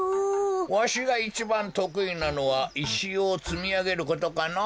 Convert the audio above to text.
わしがいちばんとくいなのはいしをつみあげることかのぉ。